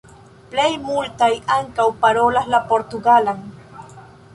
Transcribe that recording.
Plej multaj ankaŭ parolas la portugalan.